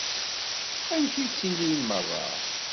Amek i ttilin meṛṛa?